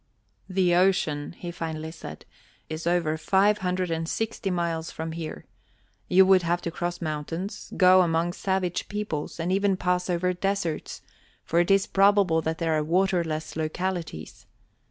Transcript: "The ocean," he finally said, "is over five hundred and sixty miles from here; you would have to cross mountains, go among savage peoples, and even pass over deserts, for it is probable that there are waterless localities.